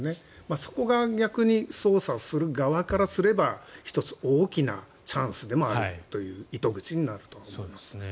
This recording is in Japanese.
そこが逆に捜査をする側からすれば１つ、大きなチャンスでもあると糸口になると思います。